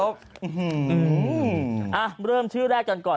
อื้อหือเริ่มชื่อแรกกันก่อน